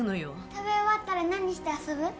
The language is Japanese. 食べ終わったら何して遊ぶ？